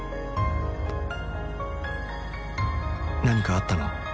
「なにかあったの？